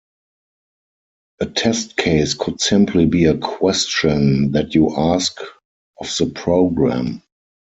A test case could simply be a question that you ask of the program.